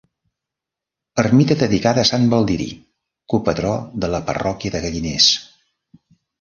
Ermita dedicada a Sant Baldiri, copatró de la parròquia de Galliners.